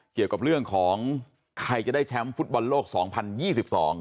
เกี่ยวกับเรื่องของใครจะได้แชมป์ฟุตบอลโลกสองพันยี่สิบสอง